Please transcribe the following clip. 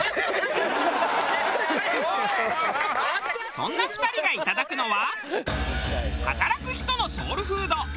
そんな２人がいただくのは。